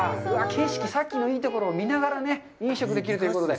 景色、さっきのいいところを見ながら飲食できるということで。